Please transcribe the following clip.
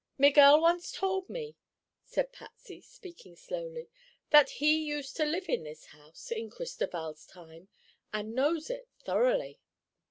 "Miguel once told me," said Patsy, speaking slowly, "that he used to live in this house, in Cristoval's time, and knows it thoroughly."